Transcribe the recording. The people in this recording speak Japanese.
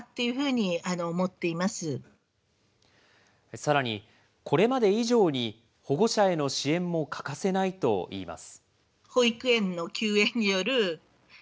さらに、これまで以上に保護者への支援も欠かせないといいます。